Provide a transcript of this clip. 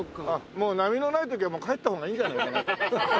もう波のない時は帰った方がいいんじゃないかな。